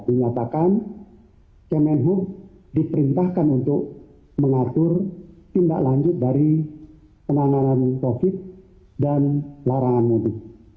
dinyatakan kemenhub diperintahkan untuk mengatur tindak lanjut dari penanganan covid dan larangan mudik